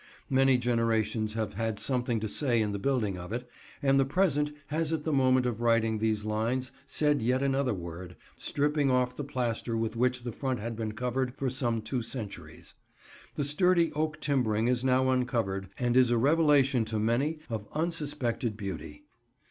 Many generations have had something to say in the building of it, and the present has at the moment of writing these lines said yet another word, stripping off the plaster with which the front had been covered for some two centuries. The sturdy oak timbering is now uncovered, and is a revelation to many of unsuspected beauty.